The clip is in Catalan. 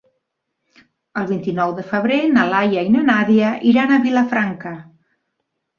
El vint-i-nou de febrer na Laia i na Nàdia iran a Vilafranca.